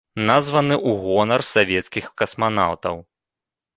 Названы ў гонар савецкіх касманаўтаў.